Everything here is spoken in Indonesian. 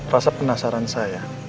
rasa penasaran saya